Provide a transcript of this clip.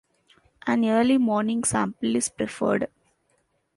An early morning sample is preferred.